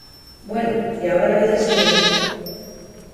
bueno, y ahora la vida sigue.